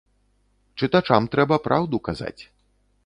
Чытачам трэба праўду казаць.